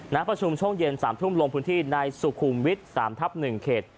ประชุมช่วงเย็น๓ทุ่มลงพื้นที่ในสุขุมวิทย์๓ทับ๑เขต